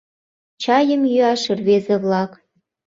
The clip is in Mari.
Чайым йӱаш, рвезе-влак